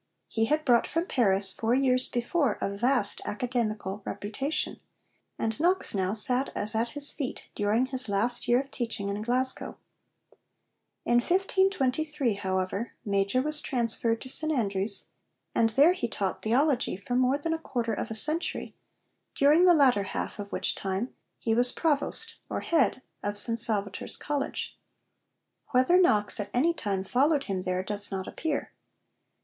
He had brought from Paris, four years before, a vast academical reputation, and Knox now 'sat as at his feet' during his last year of teaching in Glasgow. In 1523, however, Major was transferred to St Andrews, and there he taught theology for more than a quarter of a century, during the latter half of which time he was Provost or Head of St Salvator's College. Whether Knox at any time followed him there does not appear.